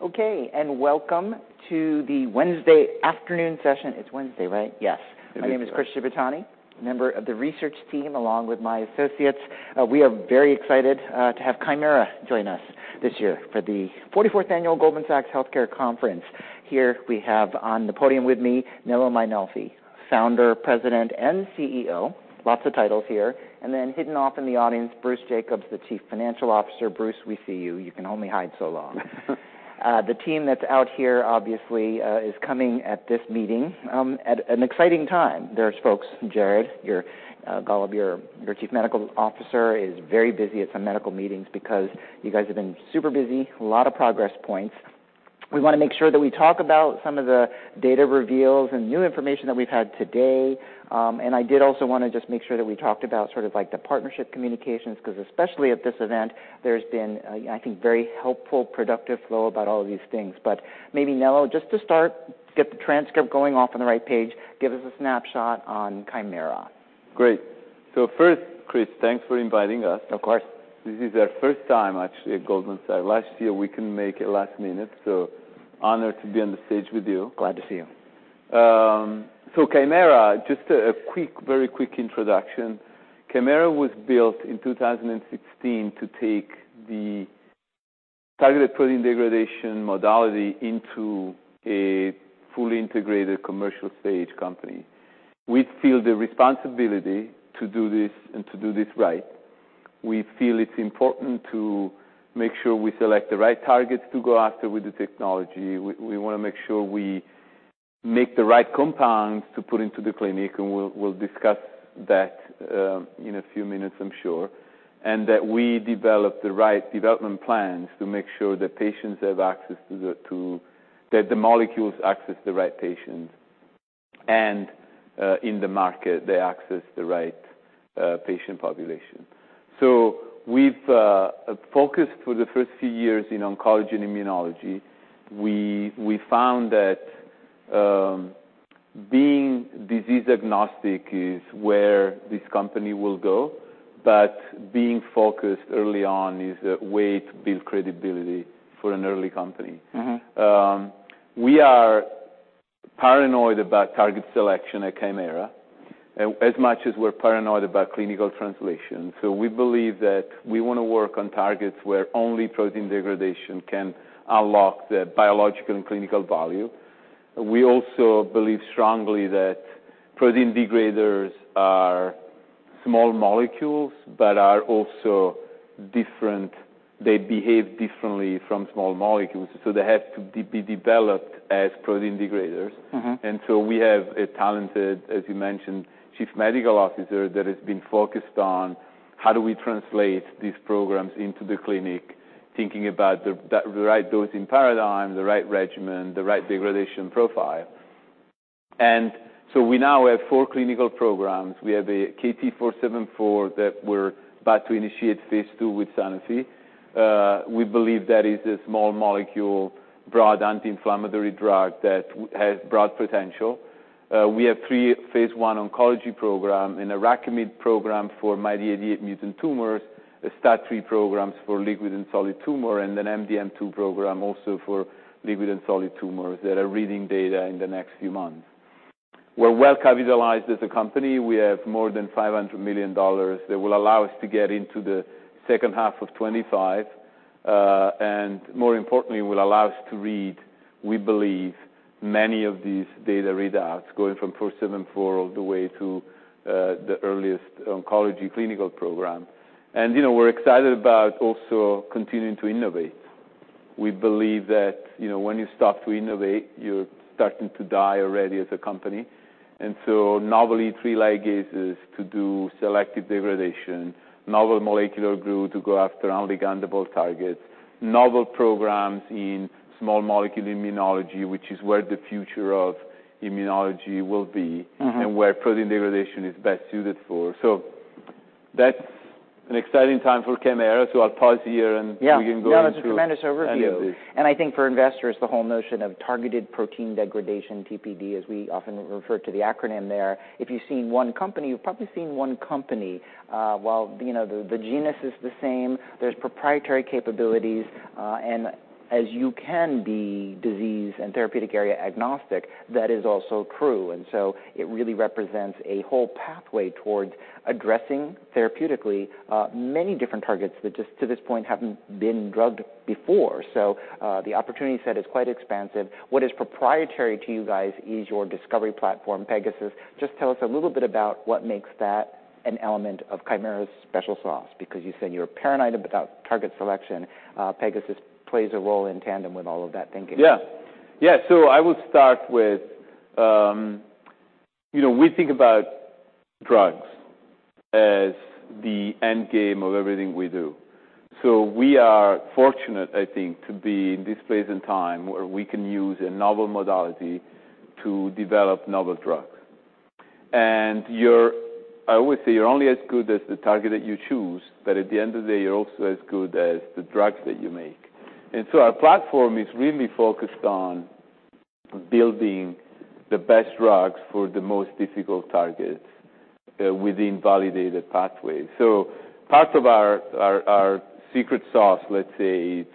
Okay, welcome to the Wednesday afternoon session. It's Wednesday, right? Yes. My name is Chris Shibutani, member of the research team, along with my associates. We are very excited to have Kymera join us this year for the 44th annual Goldman Sachs Healthcare Conference. Here, we have on the podium with me, Nello Mainolfi, Founder, President, and CEO. Lots of titles here. Then hidden off in the audience, Bruce Jacobs, the Chief Financial Officer. Bruce, we see you. You can only hide so long. The team that's out here, obviously, is coming at this meeting at an exciting time. There's folks, Jared Gollob, your Chief Medical Officer, is very busy at some medical meetings because you guys have been super busy, a lot of progress points. We wanna make sure that we talk about some of the data reveals and new information that we've had today. I did also wanna just make sure that we talked about sort of like the partnership communications, 'cause especially at this event, there's been a, I think, very helpful, productive flow about all of these things. Maybe, Nello, just to start, get the transcript going off on the right page, give us a snapshot on Kymera. Great. First, Chris, thanks for inviting us. Of course. This is our first time, actually, at Goldman Sachs. Last year, we couldn't make it last minute. Honored to be on the stage with you. Glad to see you. Kymera, just a quick, very quick introduction. Kymera was built in 2016 to take the targeted protein degradation modality into a fully integrated commercial stage company. We feel the responsibility to do this and to do this right. We feel it's important to make sure we select the right targets to go after with the technology. We wanna make sure we make the right compounds to put into the clinic, and we'll discuss that in a few minutes, I'm sure. That we develop the right development plans to make sure that patients have access That the molecules access the right patients, and in the market, they access the right patient population. We've focused for the first few years in oncology and immunology. We found that, being disease-agnostic is where this company will go, but being focused early on is a way to build credibility for an early company. Mm-hmm. We are paranoid about target selection at Kymera, as much as we're paranoid about clinical translation. We believe that we wanna work on targets where only protein degradation can unlock the biological and clinical value. We also believe strongly that protein degraders are small molecules, but are also different. They behave differently from small molecules, so they have to be developed as protein degraders. Mm-hmm. We have a talented, as you mentioned, chief medical officer, that has been focused on how do we translate these programs into the clinic, thinking about the right dosing paradigm, the right regimen, the right degradation profile. We now have four clinical programs. We have a KT-474 that we're about to initiate phase II with Sanofi. We believe that is a small molecule, broad anti-inflammatory drug that has broad potential. We have three phase I oncology programs, an IRAKIMiD program for MYD88 mutant tumors, a STAT3 program for liquid and solid tumors, and an MDM2 program, also for liquid and solid tumors, that are reading data in the next few months. We're well-capitalized as a company. We have more than $500 million that will allow us to get into the second half of 2025, more importantly, will allow us to read, we believe, many of these data readouts, going from KT-474 all the way to, the earliest oncology clinical program. You know, we're excited about also continuing to innovate. We believe that, you know, when you stop to innovate, you're starting to die already as a company. So novel E3 ligases to do selective degradation, novel molecular glue to go after unligandable targets, novel programs in small molecule immunology, which is where the future of immunology will be. Mm-hmm. Where protein degradation is best suited for. That's an exciting time for Kymera, I'll pause here. Yeah. -we can go into- No, that's a tremendous overview. I think for investors, the whole notion of targeted protein degradation, TPD, as we often refer to the acronym there, if you've seen one company, you've probably seen one company. While, you know, the genus is the same, there's proprietary capabilities, and as you can be disease and therapeutic area agnostic, that is also true. It really represents a whole pathway towards addressing, therapeutically, many different targets that just, to this point, haven't been drugged before. The opportunity set is quite expansive. What is proprietary to you guys is your discovery platform, Pegasus. Just tell us a little bit about what makes that an element of Kymera's special sauce, because you said you're paranoid about target selection. Pegasus plays a role in tandem with all of that thinking. Yeah. Yeah, I would start with, you know, we think about drugs as the end game of everything we do. We are fortunate, I think, to be in this place and time, where we can use a novel modality to develop novel drugs. I always say, "You're only as good as the target that you choose, but at the end of the day, you're also as good as the drugs that you make." Our platform is really focused on building the best drugs for the most difficult targets within validated pathways. Part of our secret sauce, let's say, it's,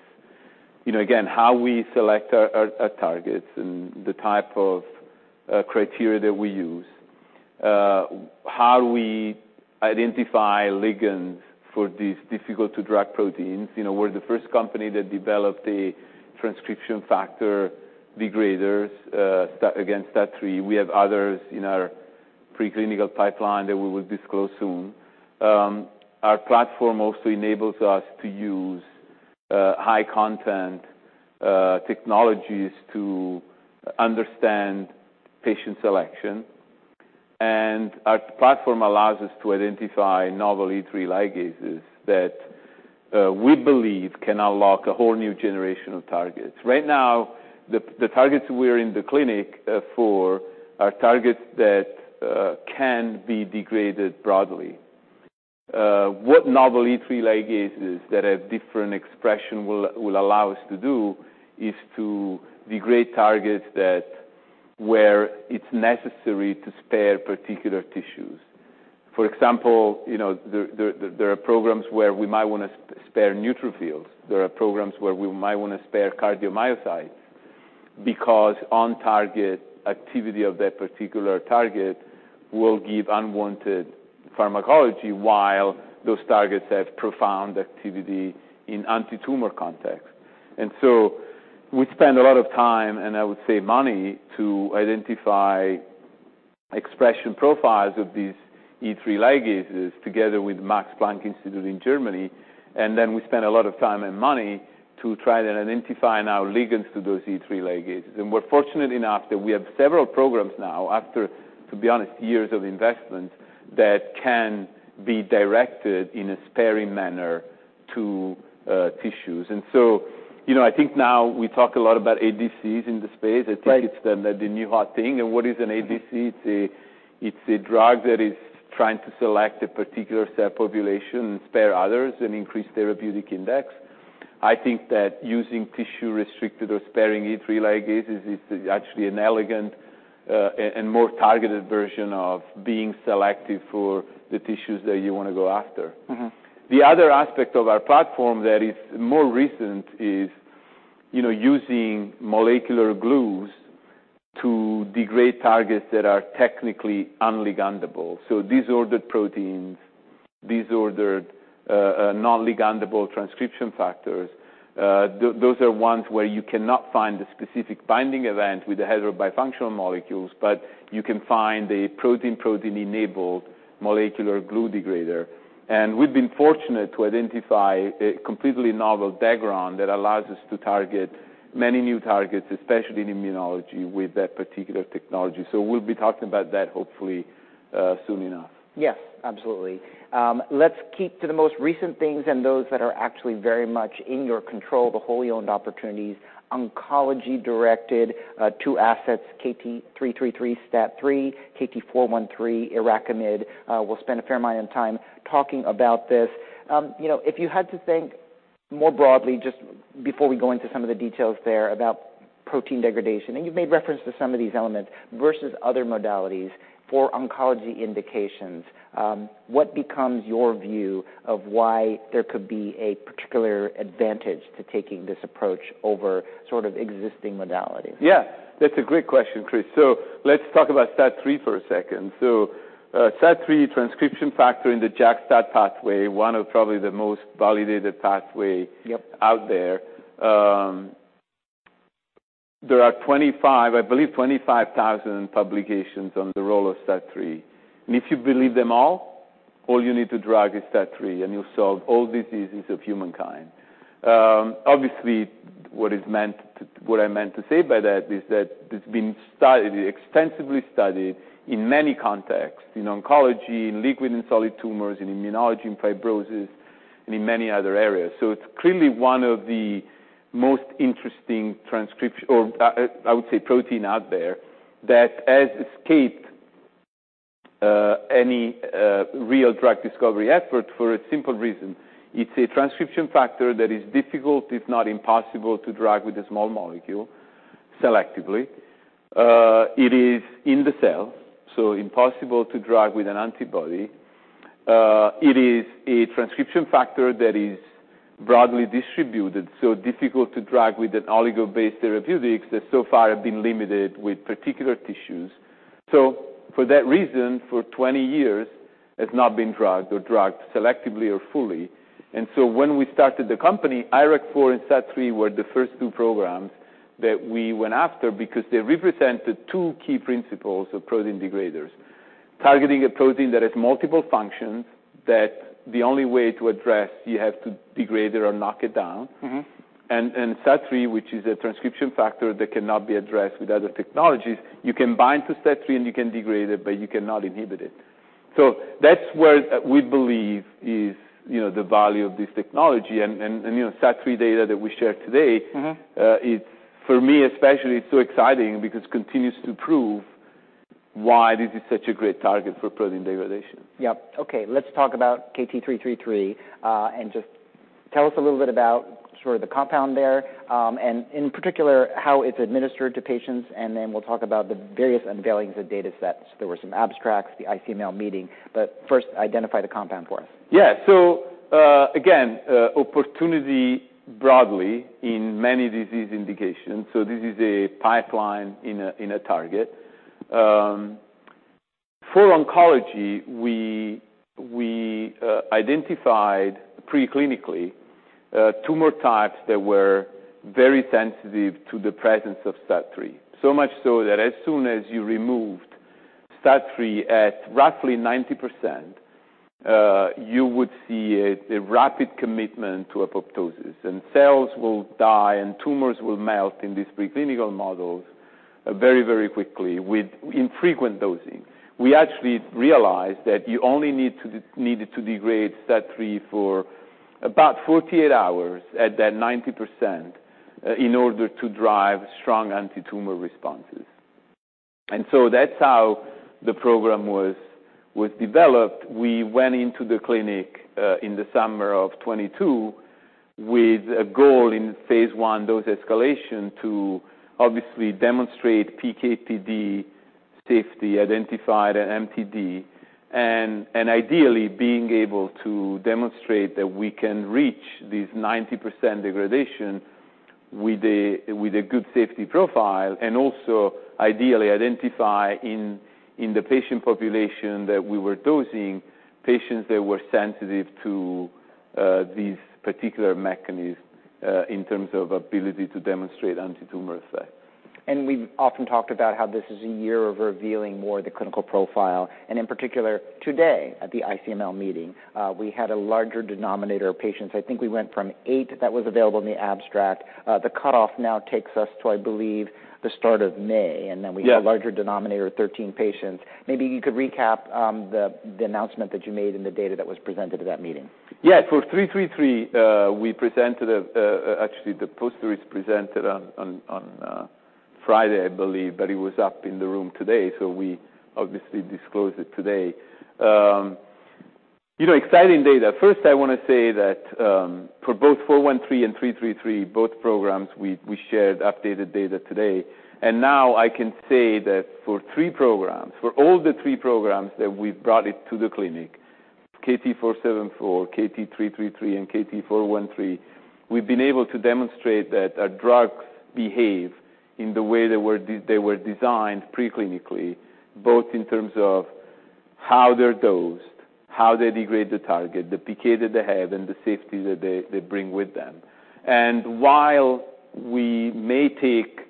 you know, again, how we select our targets and the type of criteria that we use. How we identify ligands for these difficult-to-drug proteins. You know, we're the first company that developed a transcription factor degraders against STAT3. We have others in our preclinical pipeline that we will disclose soon. Our platform also enables us to use high content technologies to understand patient selection. Our platform allows us to identify novel E3 ligases that we believe can unlock a whole new generation of targets. Right now, the targets we're in the clinic for, are targets that can be degraded broadly. What novel E3 ligases that have different expression will allow us to do, is to degrade targets that where it's necessary to spare particular tissues. For example, you know, there are programs where we might wanna spare neutrophils. There are programs where we might wanna spare cardiomyocytes, because on-target activity of that particular target will give unwanted pharmacology, while those targets have profound activity in anti-tumor context. We spend a lot of time, and I would say money, to identify expression profiles of these E3 ligases, together with Max Planck Institute in Germany. We spend a lot of time and money to try to identify now ligands to those E3 ligases. We're fortunate enough that we have several programs now, after, to be honest, years of investment, that can be directed in a sparing manner to tissues. You know, I think now we talk a lot about ADCs in the space. Right. I think it's the new hot thing. What is an ADC? It's a, it's a drug that is trying to select a particular cell population and spare others and increase therapeutic index. I think that using tissue-restricted or sparing E3 ligases is actually an elegant and more targeted version of being selective for the tissues that you wanna go after. Mm-hmm. The other aspect of our platform that is more recent is, you know, using molecular glues to degrade targets that are technically unligandable. Disordered proteins, disordered, non-ligandable transcription factors, those are ones where you cannot find a specific binding event with the heterobifunctional molecules, but you can find a protein-protein-enabled molecular glue degrader. We've been fortunate to identify a completely novel background that allows us to target many new targets, especially in immunology, with that particular technology. We'll be talking about that, hopefully, soon enough. Yes, absolutely. Let's keep to the most recent things and those that are actually very much in your control, the wholly owned opportunities. Oncology-directed, two assets, KT-333, STAT3, KT-413, IRAKIMiD. We'll spend a fair amount of time talking about this. You know, if you had to think more broadly, just before we go into some of the details there, about protein degradation, and you've made reference to some of these elements, versus other modalities for oncology indications, what becomes your view of why there could be a particular advantage to taking this approach over sort of existing modalities? Yeah, that's a great question, Chris. Let's talk about STAT3 for a second. STAT3 transcription factor in the JAK-STAT pathway, one of probably the most validated out there. Yep There are 25, I believe, 25,000 publications on the role of STAT3, and if you believe them all you need to drug is STAT3, and you've solved all diseases of humankind. Obviously, what I meant to say by that is that it's been studied, extensively studied in many contexts, in oncology, in liquid and solid tumors, in immunology and fibrosis, and in many other areas. It's clearly one of the most interesting transcription or, I would say, protein out there, that has escaped any real drug discovery effort for a simple reason: it's a transcription factor that is difficult, if not impossible, to drug with a small molecule, selectively. It is in the cell, so impossible to drug with an antibody. It is a transcription factor that is broadly distributed, so difficult to drug with an oligo-based therapeutics, that so far have been limited with particular tissues. For that reason, for 20 years, it's not been drugged or drugged selectively or fully. When we started the company, IRAK4 and STAT3 were the first two programs that we went after because they represented two key principles of protein degraders: targeting a protein that has multiple functions, that the only way to address, you have to degrade it or knock it down. Mm-hmm. STAT3, which is a transcription factor that cannot be addressed with other technologies, you can bind to STAT3, and you can degrade it, but you cannot inhibit it. That's where we believe is, you know, the value of this technology. you know, STAT3 data that we shared today- Mm-hmm it, for me, especially, it's so exciting because it continues to prove why this is such a great target for protein degradation? Yep. Let's talk about KT-333, and just tell us a little bit about sort of the compound there, and in particular, how it's administered to patients, and then we'll talk about the various unveilings of data sets. There were some abstracts, the ICML meeting, but first, identify the compound for us. Yeah. Again, opportunity broadly in many disease indications, so this is a pipeline in a target. For oncology, we identified preclinically tumor types that were very sensitive to the presence of STAT3, so much so that as soon as you removed STAT3 at roughly 90%, you would see a rapid commitment to apoptosis, and cells will die and tumors will melt in these preclinical models very, very quickly with infrequent dosing. We actually realized that you only needed to degrade STAT3 for about 48 hours at that 90%, in order to drive strong antitumor responses. That's how the program was developed. We went into the clinic, in the summer of 2022, with a goal in phase I dose escalation to obviously demonstrate PK/PD safety, identified an MTD, and ideally being able to demonstrate that we can reach this 90% degradation with a good safety profile, and also ideally identify in the patient population that we were dosing, patients that were sensitive to these particular mechanisms, in terms of ability to demonstrate antitumor effects. We've often talked about how this is a year of revealing more of the clinical profile, and in particular, today, at the ICML meeting, we had a larger denominator of patients. We went from eight, that was available in the abstract. The cutoff now takes us to, I believe, the start of May. Yeah we have a larger denominator of 13 patients. Maybe you could recap the announcement that you made and the data that was presented at that meeting. Yeah, for 333, we presented. Actually, the poster is presented on Friday, I believe, but it was up in the room today, so we obviously disclosed it today. You know, exciting data. First, I want to say that, for both KT-413 and KT-333, both programs, we shared updated data today. Now I can say that for three programs, for all the three programs that we've brought it to the clinic, KT-474, KT-333, and KT-413, we've been able to demonstrate that our drugs behave in the way they were designed preclinically, both in terms of how they're dosed, how they degrade the target, the PK that they have, and the safety that they bring with them. While we may take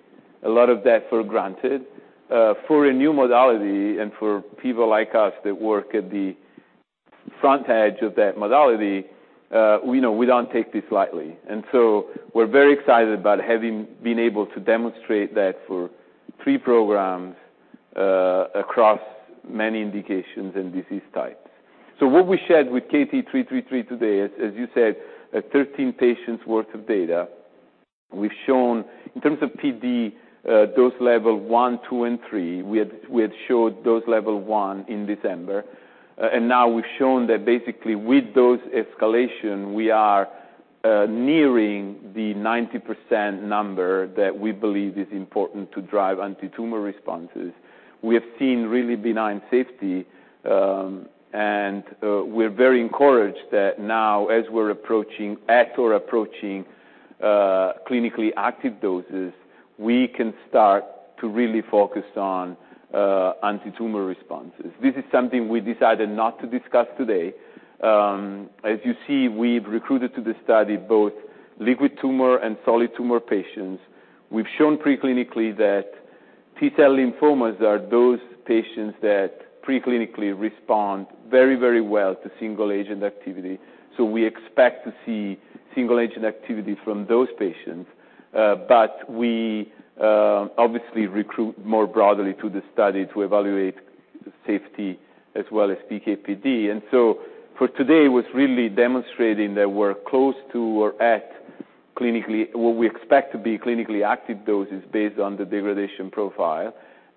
a lot of that for granted, for a new modality and for people like us that work at the front edge of that modality, we know we don't take this lightly. We're very excited about having been able to demonstrate that for three programs, across many indications and disease types. What we shared with KT-333 today, as you said, 13 patients' worth of data. We've shown, in terms of PD, Dose Level 1, 2, and 3, we had showed Dose Level 1 in December, and now we've shown that basically with dose escalation, we are nearing the 90% number that we believe is important to drive antitumor responses. We have seen really benign safety, and we're very encouraged that now as we're approaching, at or approaching, clinically active doses, we can start to really focus on antitumor responses. This is something we decided not to discuss today. As you see, we've recruited to the study both liquid tumor and solid tumor patients. We've shown preclinically that T cell lymphomas are those patients that preclinically respond very well to single-agent activity, so we expect to see single-agent activity from those patients. But we obviously recruit more broadly to the study to evaluate safety as well as PK/PD. For today, it was really demonstrating that we're close to or at clinically, what we expect to be clinically active doses based on the degradation profile,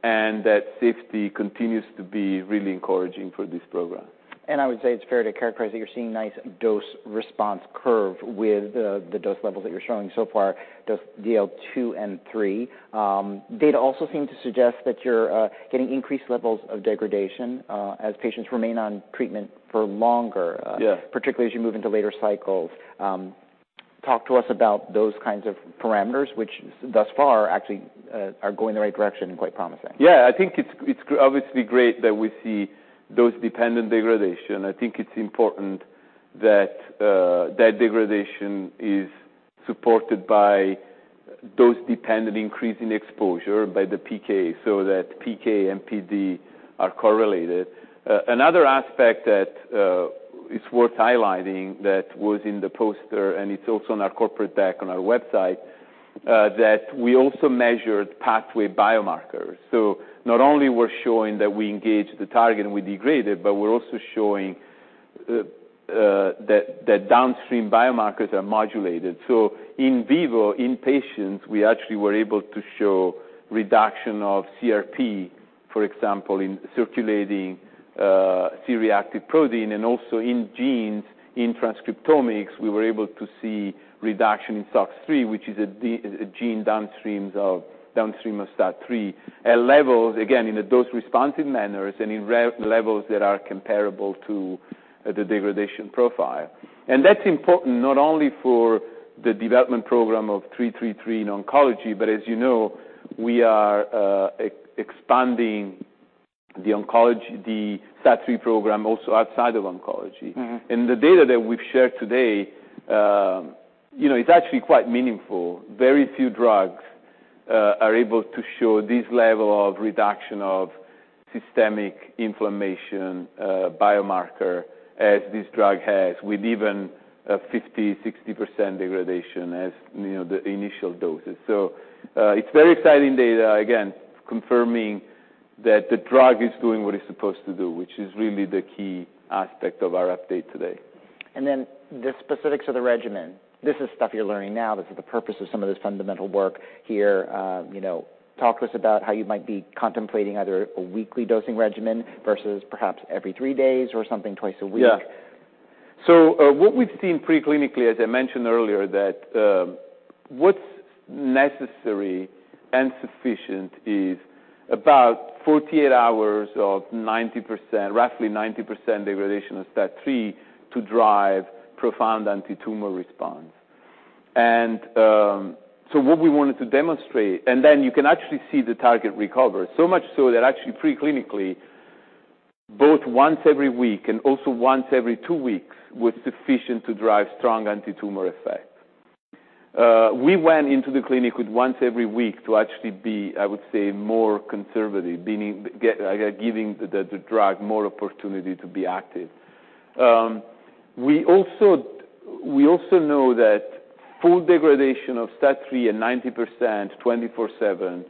and that safety continues to be really encouraging for this program. I would say it's fair to characterize that you're seeing nice dose response curve with the dose levels that you're showing so far, dose DL 2 and 3. Data also seem to suggest that you're getting increased levels of degradation as patients remain on treatment for longer. Yeah Particularly as you move into later cycles. Talk to us about those kinds of parameters, which thus far actually, are going in the right direction and quite promising. I think it's obviously great that we see dose-dependent degradation. I think it's important that degradation is supported by dose-dependent increase in exposure by the PK, so that PK and PD are correlated. Another aspect that is worth highlighting that was in the poster, and it's also on our corporate deck on our website, that we also measured pathway biomarkers. Not only we're showing that we engaged the target and we degraded, but we're also showing that downstream biomarkers are modulated. In vivo, in patients, we actually were able to show reduction of CRP, for example, in circulating C-reactive protein, and also in genes. In transcriptomics, we were able to see reduction in SOX9, which is a gene downstream of STAT3. At levels, again, in a dose-responsive manners and in levels that are comparable to the degradation profile. That's important not only for the development program of KT-333 in oncology, but as you know, we are expanding the STAT3 program also outside of oncology. Mm-hmm. The data that we've shared today, you know, is actually quite meaningful. Very few drugs are able to show this level of reduction of systemic inflammation, biomarker, as this drug has, with even 50%, 60% degradation as, you know, the initial doses. It's very exciting data, again, confirming that the drug is doing what it's supposed to do, which is really the key aspect of our update today. The specifics of the regimen. This is stuff you're learning now. This is the purpose of some of this fundamental work here. you know, talk to us about how you might be contemplating either a weekly dosing regimen versus perhaps every three days or something twice a week. What we've seen preclinically, as I mentioned earlier, that what's necessary and sufficient is about 48 hours of 90%, roughly 90% degradation of STAT3, to drive profound antitumor response. What we wanted to demonstrate... Then you can actually see the target recover, so much so that actually preclinically, both once every week and also once every two weeks, was sufficient to drive strong antitumor effect. We went into the clinic with once every week to actually be, I would say, more conservative, meaning giving the drug more opportunity to be active. We also know that full degradation of STAT3 and 90% 24/7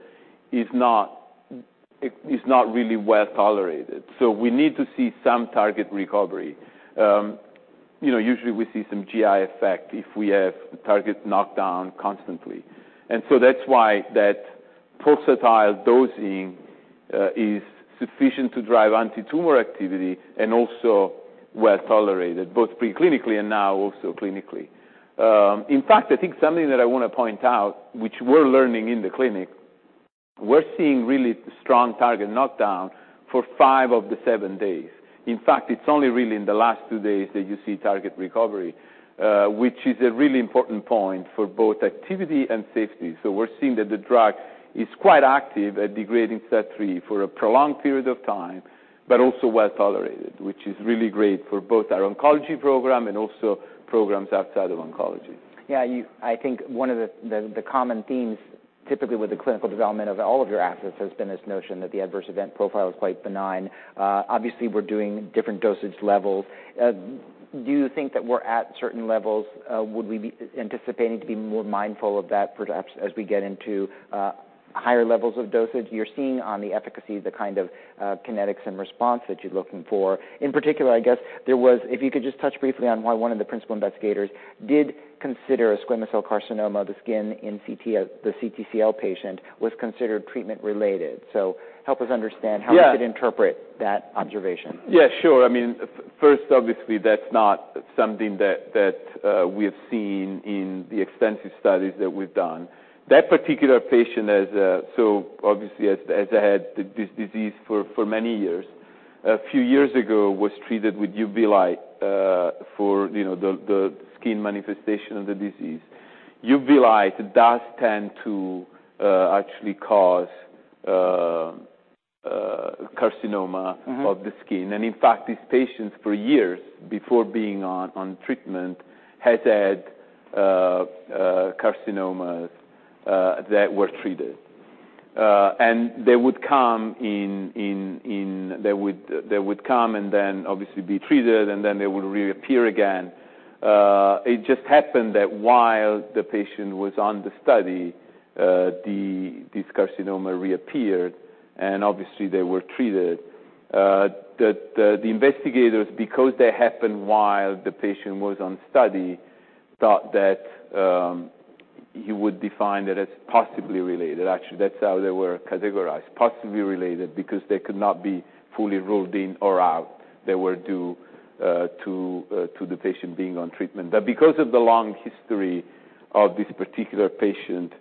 it is not really well tolerated, so we need to see some target recovery. You know, usually we see some GI effect if we have targets knocked down constantly. That's why that pulsatile dosing is sufficient to drive antitumor activity and also well tolerated, both preclinically and now also clinically. In fact, I think something that I wanna point out, which we're learning in the clinic, we're seeing really strong target knockdown for five of the seven days. It's only really in the last two days that you see target recovery, which is a really important point for both activity and safety. We're seeing that the drug is quite active at degrading STAT3 for a prolonged period of time, but also well tolerated, which is really great for both our oncology program and also programs outside of oncology. I think one of the common themes, typically with the clinical development of all of your assets, has been this notion that the adverse event profile is quite benign. Obviously, we're doing different dosage levels. Do you think that we're at certain levels? Would we be anticipating to be more mindful of that, perhaps, as we get into higher levels of dosage? You're seeing on the efficacy, the kind of kinetics and response that you're looking for. In particular, I guess, if you could just touch briefly on why one of the principal investigators did consider a squamous cell carcinoma, the skin in CT, the CTCL patient, was considered treatment-related. Help us understand. Yeah how we should interpret that observation. Sure. I mean, first, obviously, that's not something that, we have seen in the extensive studies that we've done. That particular patient has, obviously, as I had this disease for many years, a few years ago, was treated with UV light, for, you know, the skin manifestation of the disease. UV light does tend to, actually cause, carcinoma. Mm-hmm of the skin, and in fact, these patients for years before being on treatment, has had carcinomas that were treated. They would come and then obviously be treated, and then they would reappear again. It just happened that while the patient was on the study, this carcinoma reappeared, and obviously, they were treated. The investigators, because that happened while the patient was on study, thought that you would define that as possibly related. Actually, that's how they were categorized, possibly related, because they could not be fully ruled in or out. They were due to the patient being on treatment. Because of the long history of this particular patient,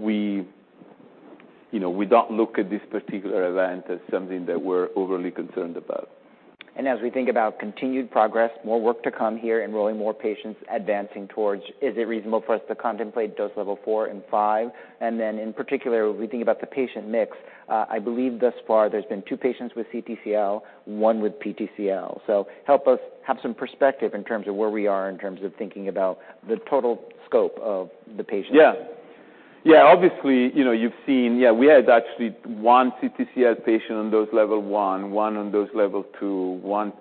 we, you know, we don't look at this particular event as something that we're overly concerned about. As we think about continued progress, more work to come here, enrolling more patients, advancing towards, is it reasonable for us to contemplate Dose Level 4 and 5? In particular, when we think about the patient mix, I believe thus far there's been two patients with CTCL, one with PTCL. Help us have some perspective in terms of where we are in terms of thinking about the total scope of the patient. Obviously, you know, we had actually 1 CTCL patient on Dose Level 1 on Dose Level 2, 1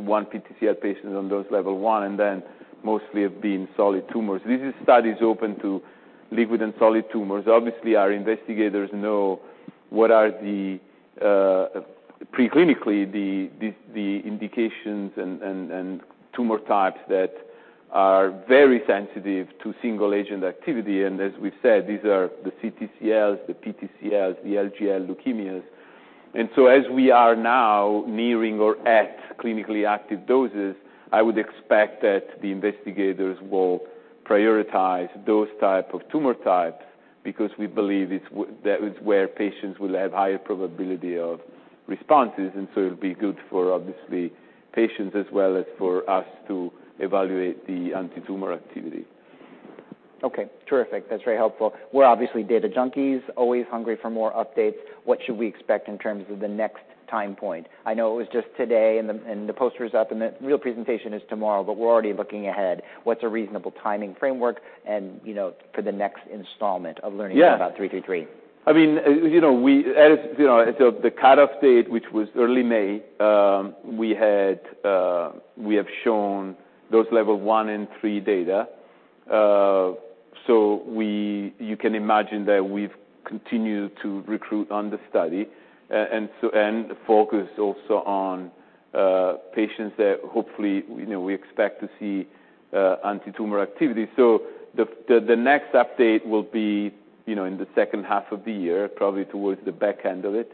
PTCL patient on Dose Level 1, mostly have been solid tumors. This study is open to liquid and solid tumors. Obviously, our investigators know what are the preclinically, the indications and tumor types that are very sensitive to single agent activity. As we've said, these are the CTCLs, the PTCLs, the LGL leukemias. As we are now nearing or at clinically active doses, I would expect that the investigators will prioritize those type of tumor types, because we believe it's that is where patients will have higher probability of responses. It'll be good for, obviously, patients as well as for us to evaluate the antitumor activity. Okay, terrific. That's very helpful. We're obviously data junkies, always hungry for more updates. What should we expect in terms of the next time point? I know it was just today, and the poster is up, and the real presentation is tomorrow, we're already looking ahead. What's a reasonable timing framework and, you know, for the next installment of learning. Yeah about KT-333? I mean, you know, we. As you know, the cutoff date, which was early May, we had, we have shown Dose Level 1 and 3 data. You can imagine that we've continued to recruit on the study, and focus also on patients that hopefully, you know, we expect to see antitumor activity. The next update will be, you know, in the second half of the year, probably towards the back end of it,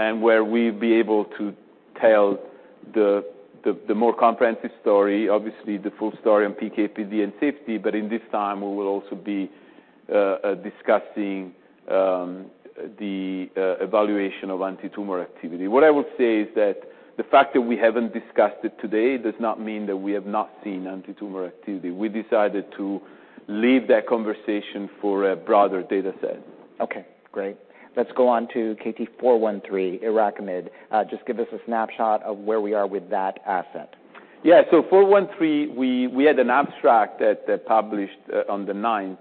and where we'll be able to tell the more comprehensive story, obviously, the full story on PK/PD, and safety, but in this time, we will also be discussing the evaluation of antitumor activity. What I would say is that the fact that we haven't discussed it today, does not mean that we have not seen antitumor activity. We decided to leave that conversation for a broader data set. Okay, great. Let's go on to KT-413, IRAKIMiD. Just give us a snapshot of where we are with that asset. KT-413, we had an abstract that published on the 9th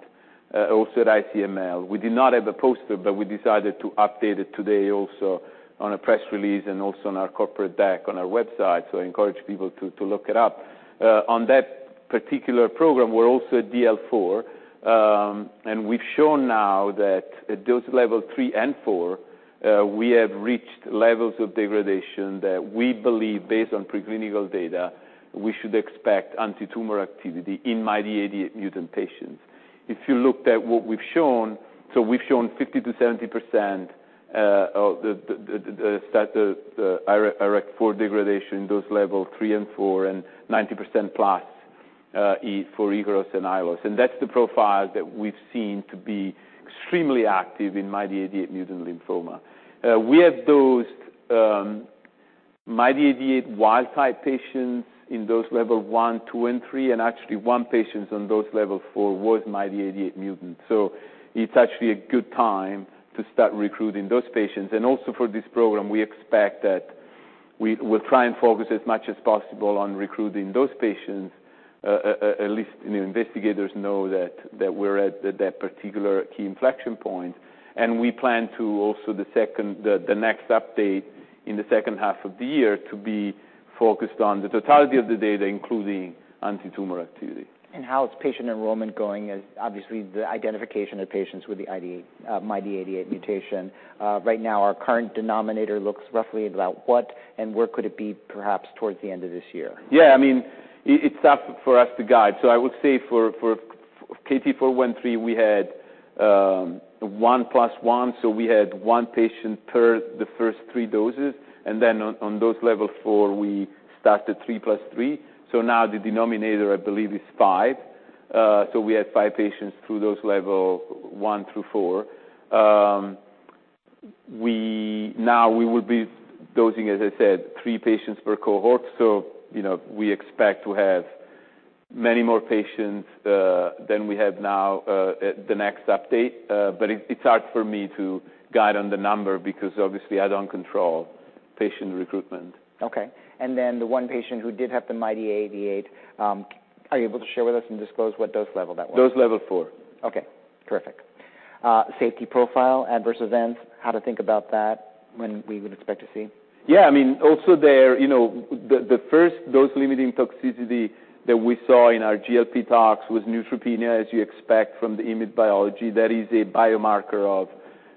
also at ICML. We did not have a poster, but we decided to update it today also on a press release and also on our corporate deck on our website, I encourage people to look it up. On that particular program, we're also at DL 4, and we've shown now that at Dose Level 3 and 4, we have reached levels of degradation that we believe, based on preclinical data, we should expect antitumor activity in MYD88-mutant patients. If you looked at what we've shown, we've shown 50%-70% of the study IRAK4 degradation, Dose Level 3 and 4, and 90%+ for Ikaros and Aiolos. That's the profile that we've seen to be extremely active in MYD88 mutant lymphoma. We have dosed MYD88 wild type patients in Dose Level 1, 2, and 3, and actually one patient on Dose Level 4 was MYD88 mutant. It's actually a good time to start recruiting those patients. Also for this program, we expect that we'll try and focus as much as possible on recruiting those patients, at least, you know, investigators know that we're at that particular key inflection point. We plan to also the next update in the second half of the year to be focused on the totality of the data, including antitumor activity. How is patient enrollment going? As obviously, the identification of patients with the MYD88 mutation. Right now, our current denominator looks roughly about what, and where could it be, perhaps towards the end of this year? I mean, it's tough for us to guide. I would say for KT-413, we had 1 plus 1, so we had one patient per the first three doses, and then on Dose Level 4, we started 3 plus 3. Now the denominator, I believe, is five. We had five patients through Dose Level 1 through 4. Now we will be dosing, as I said, three patients per cohort. You know, we expect to have many more patients than we have now at the next update. But it's hard for me to guide on the number because obviously I don't control patient recruitment. Okay. The one patient who did have the MYD88, are you able to share with us and disclose what dose level that was? Dose Level 4. Okay, terrific. Safety profile, adverse events, how to think about that, when we would expect to see? Yeah, I mean, also there, you know, the first dose-limiting toxicity that we saw in our GLP talks was neutropenia, as you expect from the IMiD biology. That is a biomarker of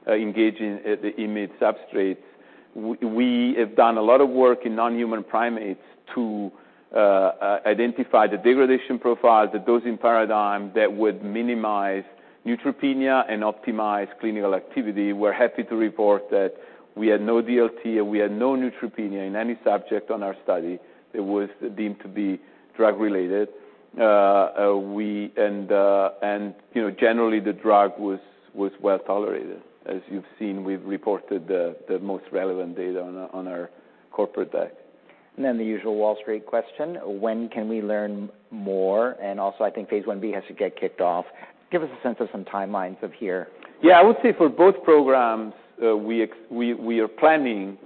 engaging the IMiD substrates. We have done a lot of work in non-human primates to identify the degradation profiles, the dosing paradigm that would minimize neutropenia and optimize clinical activity. We're happy to report that we had no DLT, we had no neutropenia in any subject on our study that was deemed to be drug-related. You know, generally, the drug was well tolerated. As you've seen, we've reported the most relevant data on our corporate deck. The usual Wall Street question: When can we learn more? I think phase I-B has to get kicked off. Give us a sense of some timelines of here. Yeah, I would say for both programs, we are planning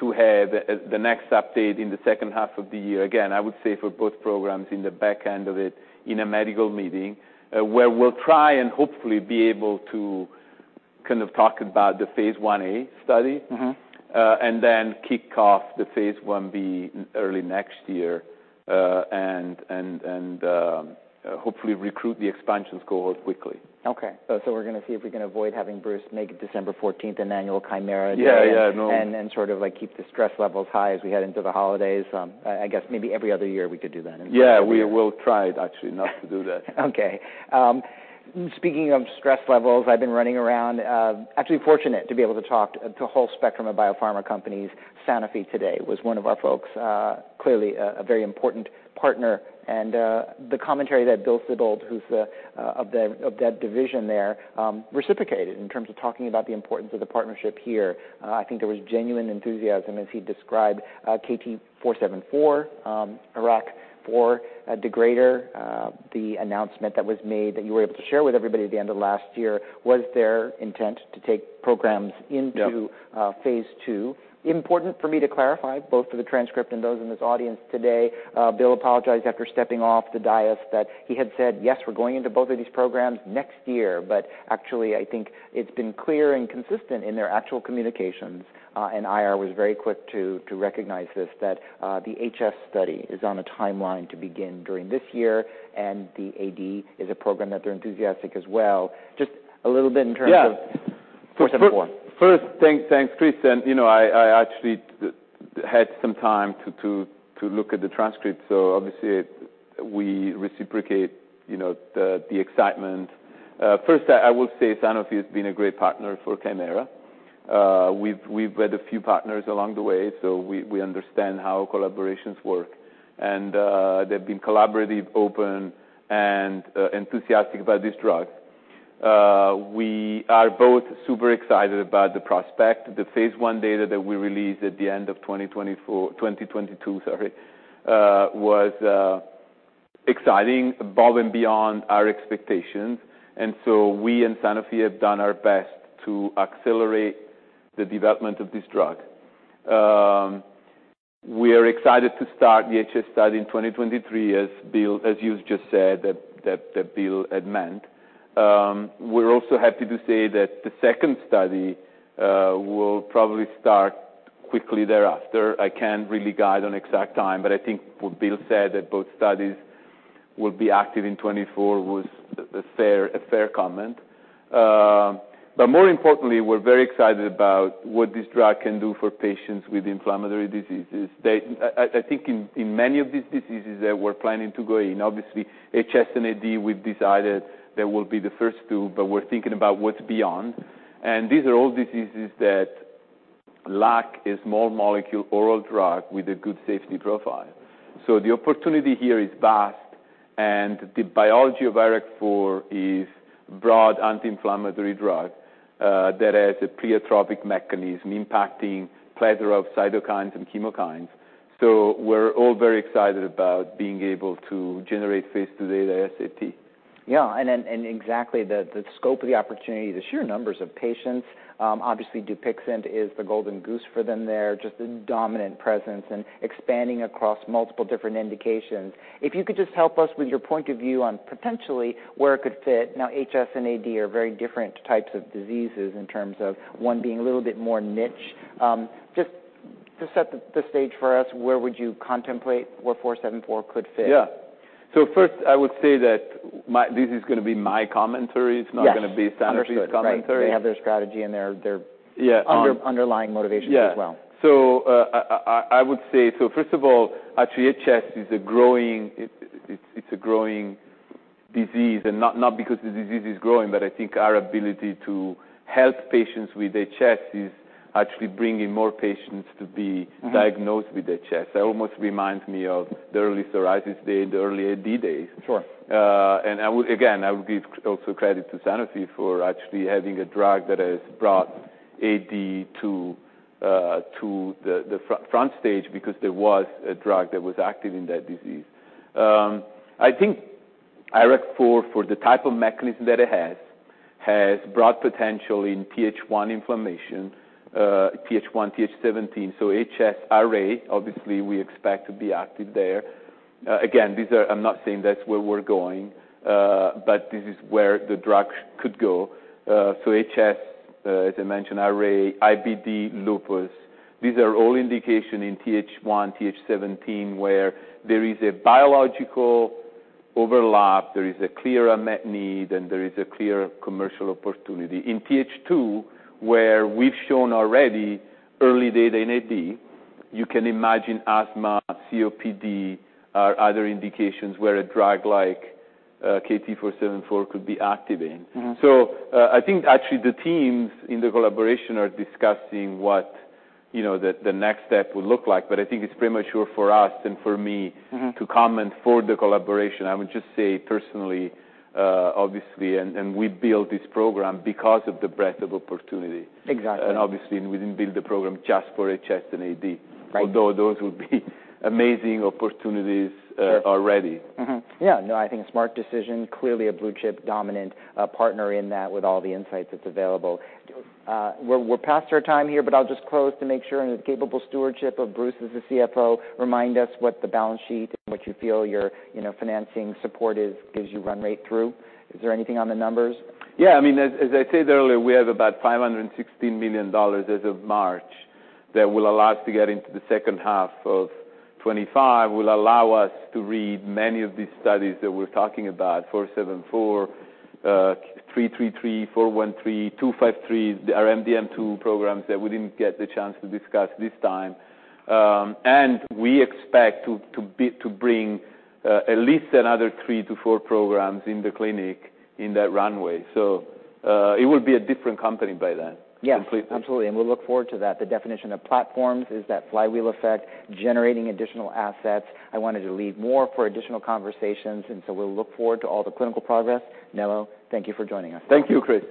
to have the next update in the second half of the year. Again, I would say for both programs in the back end of it, in a medical meeting, where we'll try and hopefully be able to kind of talk about the phase I-A study. Mm-hmm. Kick off the phase I-B early next year, and hopefully recruit the expansion cohort quickly. Okay. we're gonna see if we can avoid having Bruce make it December 14th, annual Kymera- Yeah, yeah, no. Sort of, like, keep the stress levels high as we head into the holidays. I guess maybe every other year we could do that. Yeah, we will try actually not to do that. Okay. speaking of stress levels, I've been running around, actually fortunate to be able to talk to a whole spectrum of biopharma companies. Sanofi today was one of our folks, clearly a very important partner, and the commentary that Bill Sibold, who's of the, of that division there, reciprocated in terms of talking about the importance of the partnership here. I think there was genuine enthusiasm as he described, KT-474, IRAK4, a degrader. The announcement that was made, that you were able to share with everybody at the end of last year, was their intent to take programs into- Yeah phase II. Important for me to clarify, both for the transcript and those in this audience today, Bill apologized after stepping off the dais that he had said, "Yes, we're going into both of these programs next year." Actually, I think it's been clear and consistent in their actual communications, and IR was very quick to recognize this, that the HS study is on a timeline to begin during this year, and the AD is a program that they're enthusiastic as well. Just a little bit in terms of. Yeah. 474. First, thanks, Chris. You know, I actually had some time to look at the transcript. Obviously, we reciprocate, you know, the excitement. First, I will say Sanofi has been a great partner for Kymera. We've had a few partners along the way. We understand how collaborations work. They've been collaborative, open, and enthusiastic about this drug. We are both super excited about the prospect. The phase I data that we released at the end of 2022, sorry, was exciting, above and beyond our expectations. We and Sanofi have done our best to accelerate the development of this drug. We are excited to start the HS study in 2023, as you've just said, that Bill had meant. We're also happy to say that the second study will probably start quickly thereafter. I can't really guide on exact time, but I think what Bill said, that both studies will be active in 2024, was a fair comment. More importantly, we're very excited about what this drug can do for patients with inflammatory diseases. I think in many of these diseases that we're planning to go in, obviously HS and AD, we've decided that will be the first two, but we're thinking about what's beyond. These are all diseases that lack a small molecule oral drug with a good safety profile. The opportunity here is vast, and the biology of IRAK4 is broad anti-inflammatory drug that has a pleiotropic mechanism impacting plethora of cytokines and chemokines. We're all very excited about being able to generate phase II data as safety. Exactly the scope of the opportunity, the sheer numbers of patients, obviously, DUPIXENT is the golden goose for them there, just a dominant presence and expanding across multiple different indications. If you could just help us with your point of view on potentially where it could fit. HS and AD are very different types of diseases in terms of one being a little bit more niche. Just to set the stage for us, where would you contemplate where KT-474 could fit? Yeah. First, I would say that this is gonna be my commentary. Yes. It's not gonna be Sanofi's commentary. Understood, right. They have their strategy and their. Yeah underlying motivations as well. Yeah. I would say, first of all, actually, HS is a growing, it's a growing disease, not because the disease is growing, but I think our ability to help patients with HS is actually bringing more patients. Mm-hmm diagnosed with HS. That almost reminds me of the early psoriasis day, the early AD days. Sure. I would, again, give also credit to Sanofi for actually having a drug that has brought AD to the front stage, because there was a drug that was active in that disease. I think IRAK4, for the type of mechanism that it has broad potential in Th1 inflammation, Th1/Th17, so HS RA, obviously, we expect to be active there. Again, I'm not saying that's where we're going, but this is where the drug could go. HS, as I mentioned, RA, IBD, Lupus, these are all indication in Th1, Th17, where there is a biological overlap, there is a clear unmet need, and there is a clear commercial opportunity. In Th2, where we've shown already early data in AD, you can imagine asthma, COPD, or other indications where a drug like KT-474 could be active in. Mm-hmm. I think actually the teams in the collaboration are discussing what, you know, the next step would look like, but I think it's premature for us and for me. Mm-hmm -to comment for the collaboration. I would just say personally, obviously, we built this program because of the breadth of opportunity. Exactly. Obviously, we didn't build the program just for HS and AD. Right. Although those would be amazing opportunities, already. Yeah, no, I think a smart decision, clearly a blue-chip, dominant partner in that with all the insights that's available. We're past our time here. I'll just close to make sure and the capable stewardship of Bruce Jacobs as the CFO. Remind us what the balance sheet and what you feel your, you know, financing support is, gives you run rate through. Is there anything on the numbers? Yeah, I mean, as I said earlier, we have about $516 million as of March. That will allow us to get into the second half of 2025, will allow us to read many of these studies that we're talking about, 474, 333, 413, 253, our MDM2 programs that we didn't get the chance to discuss this time. We expect to bring at least another three to four programs in the clinic in that runway. It will be a different company by then. Yeah. Completely. Absolutely, we'll look forward to that. The definition of platforms is that flywheel effect, generating additional assets. I wanted to leave more for additional conversations, we'll look forward to all the clinical progress. Nello, thank you for joining us. Thank you, Chris.